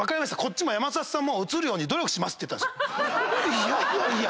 いやいやいや。